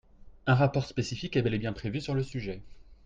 Un rapport spécifique est bel et bien prévu sur le sujet.